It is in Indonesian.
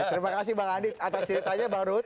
terima kasih bang adit atas ceritanya bang rohut